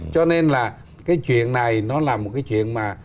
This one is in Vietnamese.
cho nên là cái chuyện này nó là một cái chuyện mà